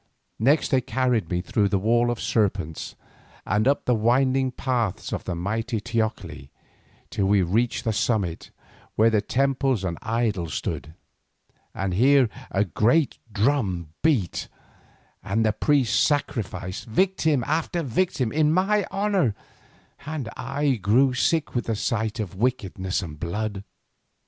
Next they carried me through the wall of serpents and up the winding paths of the mighty teocalli till we reached the summit, where the temples and idols stood, and here a great drum beat, and the priests sacrificed victim after victim in my honour and I grew sick with the sight of wickedness and blood.